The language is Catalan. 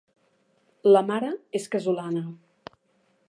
La mare és casolana.